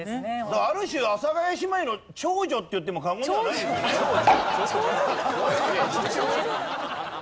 だからある種阿佐ヶ谷姉妹の長女って言っても過言ではないですよね？